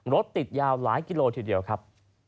รถติดยาวหลายกิโลทีเดียวครับ